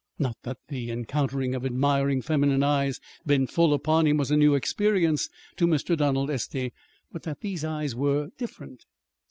Not that the encountering of admiring feminine eyes bent full upon him was a new experience to Mr. Donald Estey; but that these eyes were different.